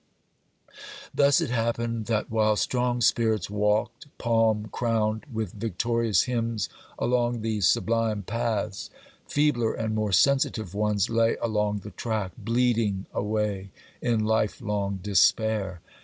Thus it happened that while strong spirits walked, palm crowned, with victorious hymns, along these sublime paths, feebler and more sensitive ones lay along the track, bleeding away in life long despair.